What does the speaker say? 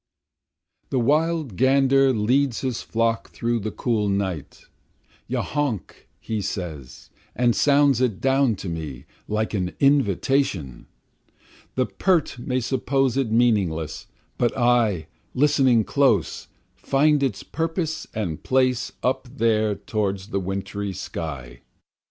14 The wild gander leads his flock through the cool night, Ya honk he says, and sounds it down to me like an invitation, The pert may suppose it meaningless, but I listening close, Find its purpose and place up there toward the wintry sky.